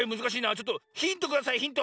ちょっとヒントくださいヒント。